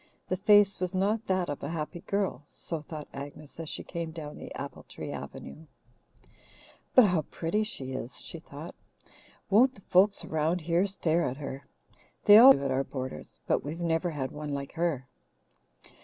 The face was not that of a happy girl, so thought Agnes as she came down the apple tree avenue. But how pretty she is! she thought. Won't the folks around here stare at her! They always do at our boarders, but we've never had one like her.